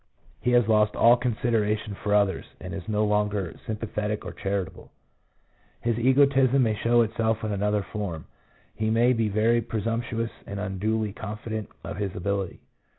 He has lost all consideration for others, and is no longer sympathetic or charitable. His egotism may show itself in another form ; he may be very presumptuous and unduly confident of his ability.